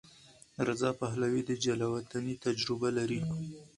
رضا پهلوي د جلاوطنۍ تجربه لري.